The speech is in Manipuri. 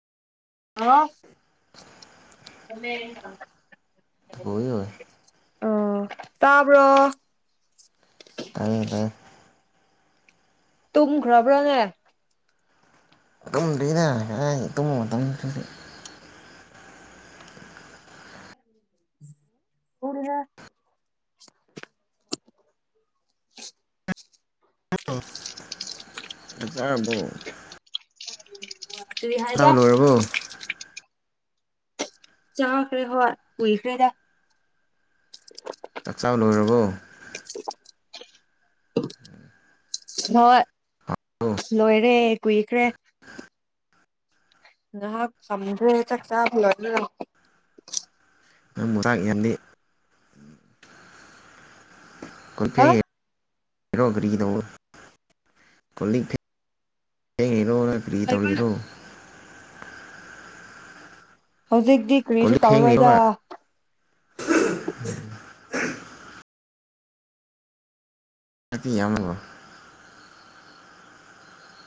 ꯍꯥꯎ ꯂꯣꯏ ꯂꯣꯏ ꯑꯣ ꯇꯕꯔꯣ ꯇꯏꯌꯦ ꯇꯏꯌꯦ ꯇꯨꯝꯈ꯭ꯔꯕ꯭ꯔꯥꯅꯦ ꯇꯨꯝꯗꯦꯅꯦ ꯍꯩ ꯇꯨꯝ ꯇꯨꯝ ꯎꯝ ꯄꯨꯅꯤꯗ ꯍꯦꯜꯂꯣ ꯀꯔꯤ ꯆꯥꯛ ꯍꯥꯏꯕ ꯂꯣꯏꯔꯕꯣ ꯆꯈꯔꯦ ꯍꯣꯏ ꯀꯨꯏꯈꯔ꯭ꯦꯅꯦ ꯆꯥꯛꯆꯥꯥ ꯂꯣꯏꯔꯕꯣ ꯍꯣꯏ ꯍꯥꯎꯕ꯭ꯔꯣ ꯂꯣꯏꯔꯦ ꯀꯨꯏꯈ꯭ꯔꯦ ꯉꯩꯍꯛ ꯐꯝꯈꯔꯦ ꯆꯥꯛ ꯆꯕ ꯂꯣꯏꯕꯒꯥ ꯅ ꯃꯨꯔꯥꯛ ꯌꯥꯜꯂꯤ ꯍꯥ ꯀꯨꯊꯩ ꯏꯔꯣ ꯐꯔꯤ ꯇꯩꯪꯔꯣ ꯀꯔꯤ ꯇꯧꯔꯤꯔꯣ ꯍꯧꯖꯤꯛꯇꯤ ꯀꯣꯜ ꯀꯔꯤꯁꯨ ꯂꯤꯛ ꯇꯧꯔꯣꯏꯗ ꯐꯦꯡꯉꯤꯔꯣꯕ ꯑꯇꯤꯌꯥꯏꯕ